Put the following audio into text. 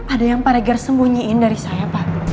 ada yang pak reger sembunyiin dari saya pak